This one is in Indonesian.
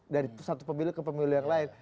dari satu pemilih ke pemilih yang lain